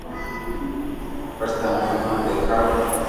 پر تمي امو ني ديکاڙو